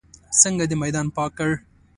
څنګه دې میدان پاک کړ.